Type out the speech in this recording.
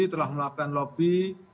telah melakukan lobby